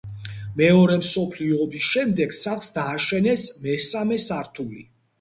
მეორე მსოფლიო ომის შემდეგ სახლს დააშენეს მესამე სართული.